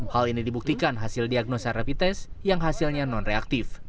hal ini dibuktikan hasil diagnosa rapid test yang hasilnya non reaktif